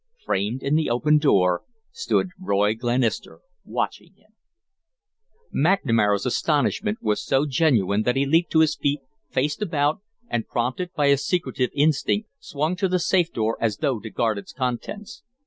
Framed in the open door stood Roy Glenister watching him. McNamara's astonishment was so genuine that he leaped to his feet, faced about, and prompted by a secretive instinct swung to the safe door as though to guard its contents.